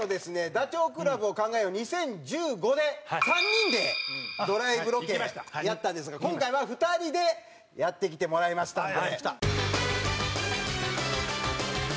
ダチョウ倶楽部を考えよう２０１５で３人でドライブロケやったんですが今回は２人でやってきてもらいましたんで。